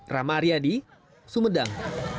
rama aryadi sumedang